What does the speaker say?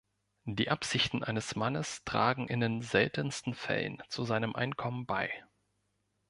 Die Absichten eines Mannes tragen in den seltensten Fällen zu seinem Einkommen bei.